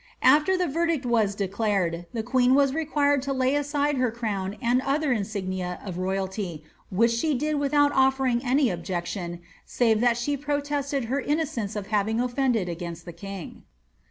Af\er the verdict was declared, the queen was required to lay aside her crown and other insignia of ro3raIty, which she did without ofiering an objection, save tliat she protested her inno cence of having offended against the king.